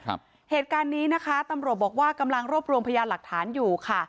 เหตุการณ์นี้นะคะตำรวจบอกว่ากำลังรวบรวมพยานหลักฐานอยู่ค่ะ